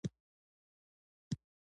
کاکړ د خپلو مشرانو لار تعقیبوي.